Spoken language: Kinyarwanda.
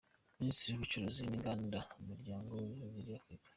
Minisitiri w’Ubucuruzi n’Inganda n’Umuryango w’Ibihugu bya Afurika .